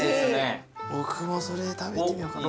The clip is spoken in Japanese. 僕もそれ食べてみようかな。